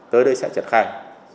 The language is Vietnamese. tới đây sẽ trật khai